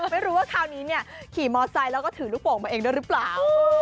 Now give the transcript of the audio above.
ไม่รู้ว่าคราวนี้เนี่ยขี่มอไซค์แล้วก็ถือลูกโป่งมาเองด้วยหรือเปล่า